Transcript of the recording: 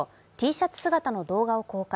Ｔシャツ姿の動画を公開。